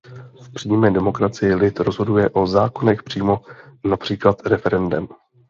V přímé demokracii lid rozhoduje o zákonech přímo například referendem.